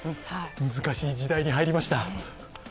難しい時代に入りました。